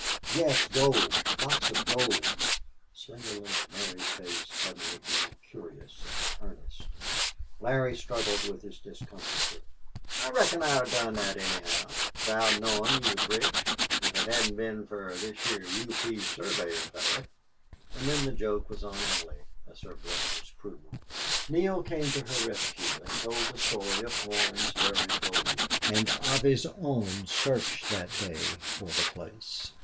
"Yes. Gold! Lots of gold!" Slingerland's merry face suddenly grew curious and earnest. Larry struggled with his discomfiture. "I reckon I'd done thet anyhow without knowin' you was rich if it hadn't been fer this heah U. P. surveyor fellar." And then the joke was on Allie, as her blushes proved. Neale came to her rescue and told the story of Horn's buried gold, and of his own search that day for the place.